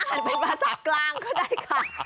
คุณอ่านไปภาษากลางก็ได้ค่ะ